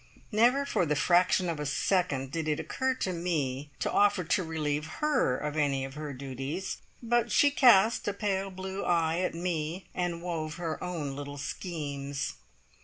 Never for the fraction of a second did it occur to me to offer to relieve her of any of her duties; but she cast a pale blue eye at me, and wove her own little schemes.